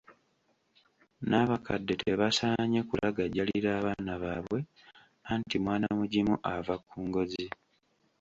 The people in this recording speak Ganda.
N'abakadde tebasaanye kulagajjalira abaana baabwe, anti mwana mugimu ava ku ngozi.